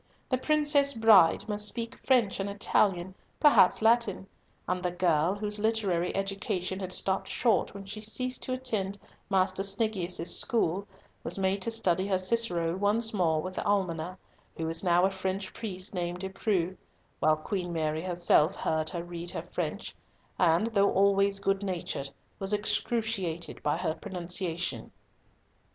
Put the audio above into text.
The Princess Bride must speak French and Italian, perhaps Latin; and the girl, whose literary education had stopped short when she ceased to attend Master Sniggius's school, was made to study her Cicero once more with the almoner, who was now a French priest named De Preaux, while Queen Mary herself heard her read French, and, though always good natured, was excruciated by her pronunciation.